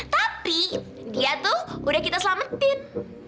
tapi dia tuh udah kita selamatin